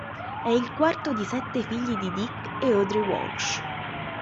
È il quarto di sette figli di Dick e Audrey Walsh.